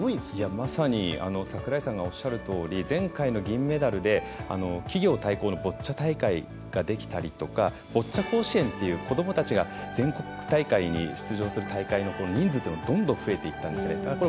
まさに櫻井さんがおっしゃるとおり前回の銀メダルで企業対抗のボッチャ大会ができたりとかボッチャ甲子園という子どもたちが全国大会に出場する人数がどんどん増えていったんですね。